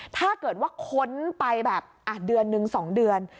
ถ้าเกิดว่าค้นไปแบบเดือนหนึ่ง๒เดือน